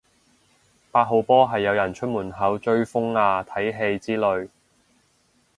八號波係有人出門口追風啊睇戲之類